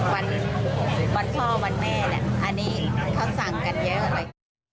วันพ่อวันแม่เนี่ยอันนี้เขาสั่งกันเยอะเลยค่ะ